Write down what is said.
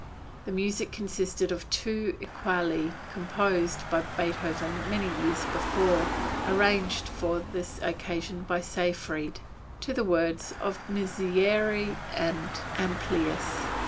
The music consisted of two equali composed by Beethoven many years before, arranged for this occasion by Seyfried, to the words of the Miserere and Amplius.